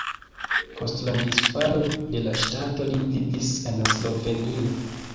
Post la disfalo de la ŝtato li vivis en Slovenio.